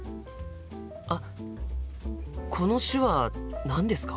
あっこの手話何ですか？